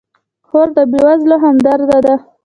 خور د بېوزلو همدرده ده.